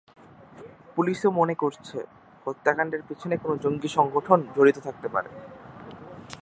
পুলিশও মনে করছে, হত্যাকাণ্ডের পেছনে কোনো জঙ্গি সংগঠন জড়িত থাকতে পারে।